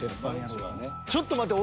ちょっと待って。